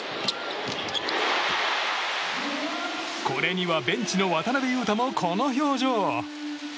これには、ベンチの渡邊雄太もこの表情。